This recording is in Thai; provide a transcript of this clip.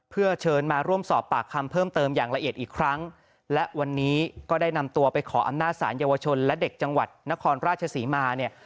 เพื่อเชิญมาร่วมสอบปากคำเพิ่มเติมอย่างละเอียดอีกครั้งและวันนี้ก็ได้นำตัวไปขออำนาจศาลเยาวชนและเด็กจังหวัดนครราชศรีมาเนี่ย